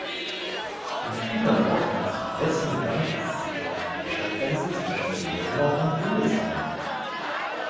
Im Unterlauf nach Südwesten gewandt, ist sie dort die Stadtgrenze zwischen Neudenau und Gundelsheim.